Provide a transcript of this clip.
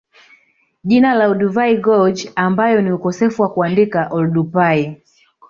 Jina la Olduvai Gorge ambayo ni ukosefu wa kuandika Oldupai